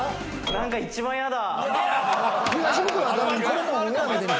なんか一番嫌だ。